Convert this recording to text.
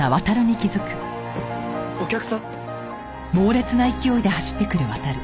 お客さん！？